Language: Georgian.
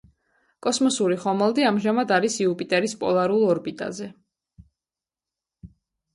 კოსმოსური ხომალდი ამჟამად არის იუპიტერის პოლარულ ორბიტაზე.